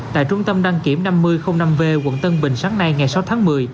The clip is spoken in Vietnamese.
tại trung tâm đăng kiểm năm mươi năm v quận tân bình sáng nay ngày sáu tháng một mươi